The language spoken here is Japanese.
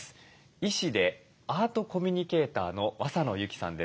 医師でアートコミュニケーターの和佐野有紀さんです。